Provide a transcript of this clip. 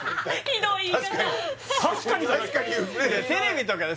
ひどい言い方